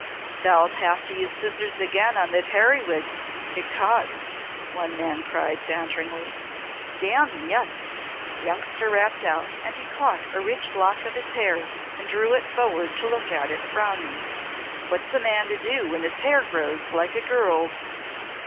"Thou'lt have to use scissors again on thy periwig, ecod!" one man cried, banteringly. "Damme, yes," the youngster rapped out, and he caught a rich lock of his hair and drew it forward to look at it, frowning. "What's a man to do when his hair grows like a girl's?"